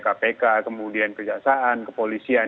kpk kemudian kejaksaan kepolisian